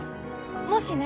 もしね